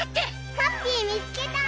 ハッピーみつけた！